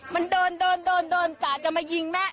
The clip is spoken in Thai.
มันเดินจากจะมายิงแม่